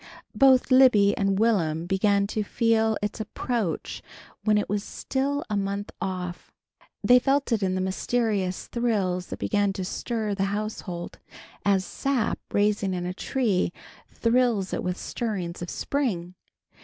Both Libby and Will'm began to feel its approach when it was still a month off. They felt it in the mysterious thrills that began to stir the household as sap, rising in a tree, thrills it with stirrings of spring.